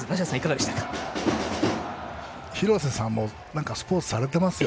ひろせさんもスポーツされてますよ。